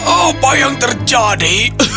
apa yang terjadi